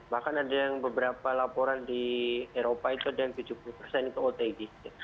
bahkan ada yang beberapa laporan di eropa itu ada yang tujuh puluh persen itu otg